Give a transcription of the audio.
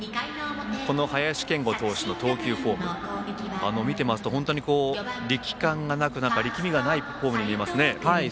林謙吾投手の投球フォーム力感がなく、力みがないフォームに見えますね。